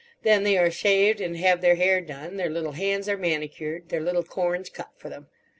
Then they are shaved and have their hair done; their little hands are manicured, their little corns cut for them.